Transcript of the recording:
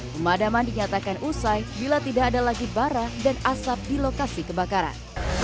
pemadaman dinyatakan usai bila tidak ada lagi bara dan asap di lokasi kebakaran